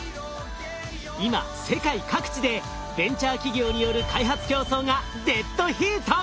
今世界各地でベンチャー企業による開発競争がデッドヒート！